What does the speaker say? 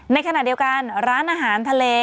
ในขณะเดียวกันร้านอาหารทะเล